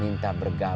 bukan saya pecat